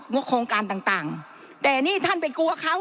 บโครงการต่างต่างแต่นี่ท่านไปกลัวเขา